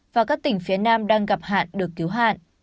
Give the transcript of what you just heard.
và các tỉnh phía nam đang gặp hạn được cứu hạn